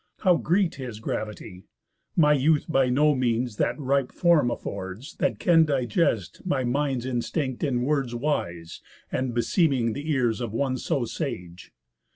How greet his gravity? My youth by no means that ripe form affords, That can digest my mind's instinct in words Wise, and beseeming th' ears of one so sage.